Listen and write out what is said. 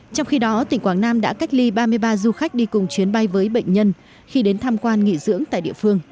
trong khi đó tỉnh quảng nam đã cách ly ba mươi ba du khách đi cùng chuyến bay với bệnh nhân khi đến tham quan nghỉ dưỡng tại địa phương